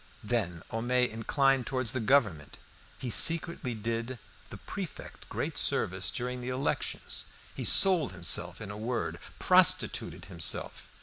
Then Homais inclined towards the Government. He secretly did the prefect great service during the elections. He sold himself in a word, prostituted himself.